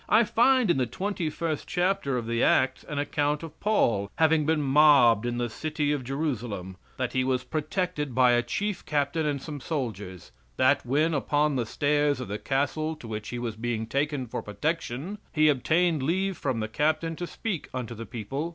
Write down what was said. I find in the twenty first chapter of the Acts an account of Paul having been mobbed in the city of Jerusalem; that he was protected by a Chief Captain and some soldiers; that, when upon the stairs of the castle to which he was being taken for protection, he obtained leave from the Captain to speak unto the people.